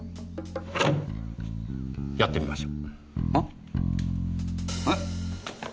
やってみましょう。